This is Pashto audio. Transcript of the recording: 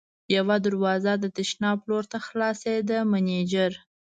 یوه دروازه د تشناب لور ته خلاصېده، مېنېجر.